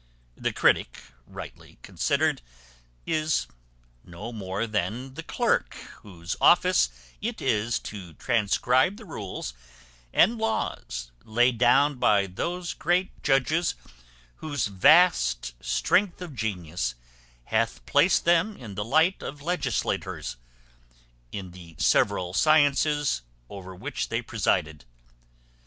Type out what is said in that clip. The critic, rightly considered, is no more than the clerk, whose office it is to transcribe the rules and laws laid down by those great judges whose vast strength of genius hath placed them in the light of legislators, in the several sciences over which they presided.